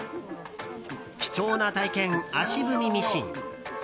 貴重な体験、足踏みミシン。